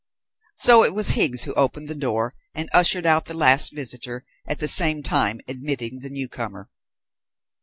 So it was Higgs who opened the door and ushered out the last visitor, at the same time admitting the newcomer.